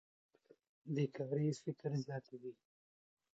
بېکاري فقر زیاتوي.